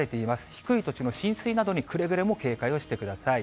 低い土地の浸水などにくれぐれも警戒をしてください。